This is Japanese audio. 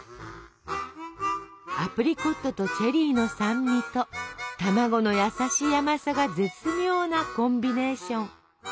アプリコットとチェリーの酸味と卵の優しい甘さが絶妙なコンビネーション。